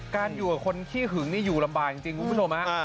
อยู่กับคนขี้หึงนี่อยู่ลำบากจริงคุณผู้ชมฮะ